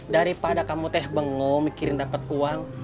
daripada kamu teh bengo mikirin dapat uang